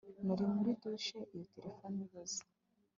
Nari muri douche iyo terefone ivuze